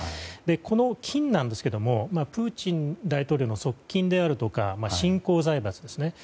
この金ですがプーチン大統領の側近であるとか新興財閥ですね。